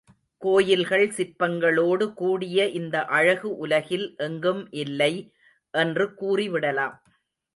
கோயில்கள் சிற்பங்களோடு கூடிய இந்த அழகு உலகில் எங்கும் இல்லை என்று கூறிவிடலாம்.